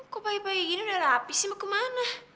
kok pagi pagi gini udah rapi sih mau ke mana